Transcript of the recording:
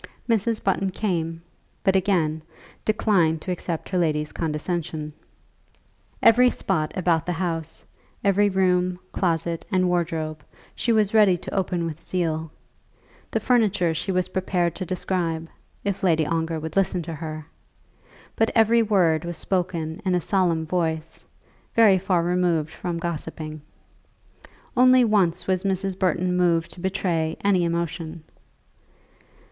Mrs. Button came, but again declined to accept her lady's condescension. Every spot about the house, every room, closet, and wardrobe, she was ready to open with zeal; the furniture she was prepared to describe, if Lady Ongar would listen to her; but every word was spoken in a solemn voice, very far removed from gossiping. Only once was Mrs. Button moved to betray any emotion.